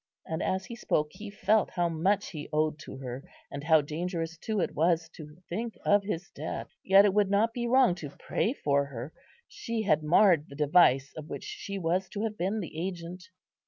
And as he spoke, he felt how much he owed to her, and how dangerous too it was to think of his debt. Yet it would not be wrong to pray for her; she had marred the device of which she was to have been the agent.